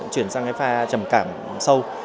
chuyển sang cái pha trầm cảm sâu